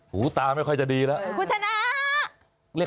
หูตาไม่ค่อยจะดีแล้ว